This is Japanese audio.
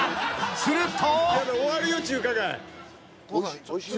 ［すると］